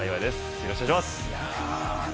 よろしくお願いします。